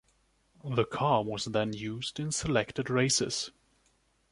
The car was then used in selected races.